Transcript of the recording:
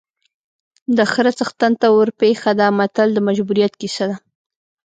د خره څښتن ته ورپېښه ده متل د مجبوریت کیسه ده